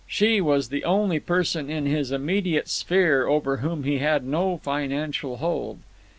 She was the only person in his immediate sphere over whom he had no financial hold.